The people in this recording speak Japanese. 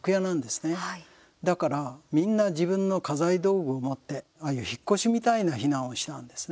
だからみんな自分の家財道具を持ってああいう引っ越しみたいな避難をしたんですね。